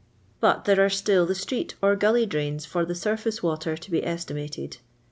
But there are still the street or gullj druns for the surface water to be estimated.